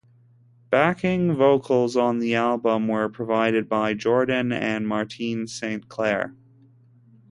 Backing vocals on the album were provided by Jordan and Martine Saint Clair.